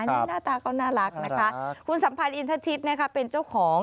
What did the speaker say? นี่หน้าตาก็น่ารักนะคะคุณสัมพันธ์อินทชิตนะคะเป็นเจ้าของ